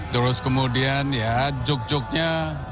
terus kemudian ya juk juknya